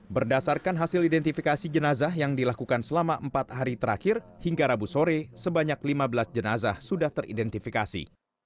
berdasarkan hasil identifikasi jenazah yang dilakukan selama empat hari terakhir hingga rabu sore sebanyak lima belas jenazah sudah teridentifikasi